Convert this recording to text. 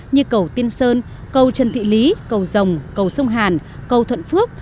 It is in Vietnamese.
như cầu tiên sơn cầu trần thị lý cầu rồng cầu sông hàn cầu thuận phước